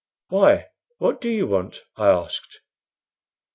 "Why, what do you want?" I asked.